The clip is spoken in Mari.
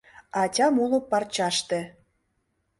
Атям уло парчаште